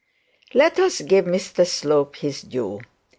Let us give Mr Slope his due.